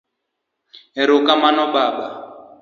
Ero kamano Baba.